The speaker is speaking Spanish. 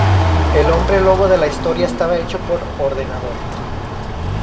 El hombre lobo de la historia estaba hecho por ordenador.